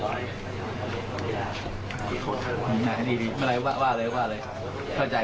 ว่าเลยว่าเลยว่าเลย